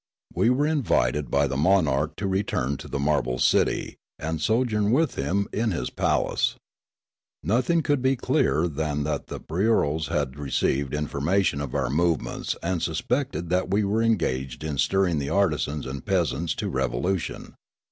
We were invited by the monarch to return to the marble city and so journ with him in his palace. Nothing could be clearer than that the bureaus had received information of our movements and suspected that we were engaged in stirring the artisans and peasants to revolution.